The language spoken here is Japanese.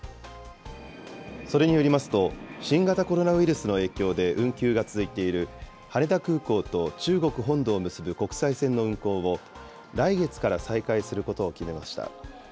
それによりますと、新型コロナウイルスの影響で運休が続いている、羽田空港と中国本土を結ぶ国際線の運航を、来月から再開することを決めました。